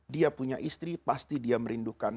dia punya istri pasti dia merindukan